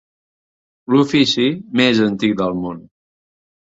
L'ofici més antic del món.